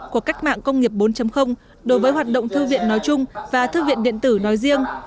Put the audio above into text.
của cách mạng công nghiệp bốn đối với hoạt động thư viện nói chung và thư viện điện tử nói riêng